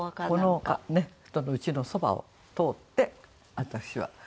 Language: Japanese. この人のうちのそばを通って私は。